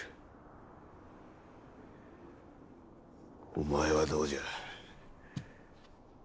お前はどうじゃ？